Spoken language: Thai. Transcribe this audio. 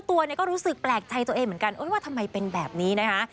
ตัวเนี่ยก็รู้สึกแปลกใจตัวเองเหมือนกันว่าทำไมเป็นแบบนี้นะคะ